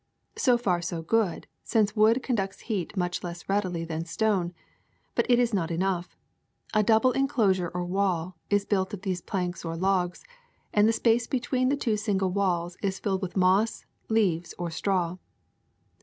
So far so good, since wood con ducts heat much less readily than stone ; but it is not enough. A double enclosure or wall is built of these planks or logs, and the space between the two single walls is filled with moss, leaves, or straw.